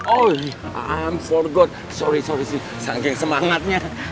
oh i forgot sorry sorry sanggih semangatnya